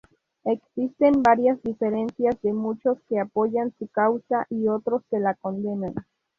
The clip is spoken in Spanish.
Existen varias diferencias, de muchos que apoyan su causa y otros que la condenan.